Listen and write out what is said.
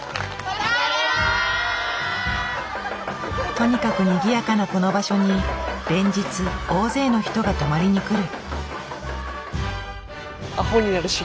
とにかくにぎやかなこの場所に連日大勢の人が泊まりに来る。